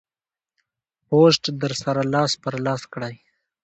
پوسټ در سره لاس پر لاس کړئ.